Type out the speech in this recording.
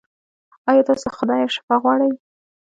ایا تاسو له خدایه شفا غواړئ؟